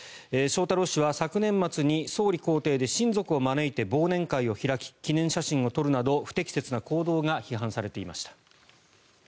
翔太郎氏は昨年末に総理公邸で親族を招いて忘年会を開き記念写真を撮るなど不適切な行動が批判されていました。